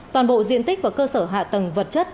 toàn bộ diện tích và cơ sở hạ tầng vật chất